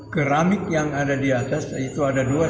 keramik yang ada di atas itu ada dua